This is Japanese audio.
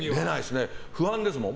不安ですもん。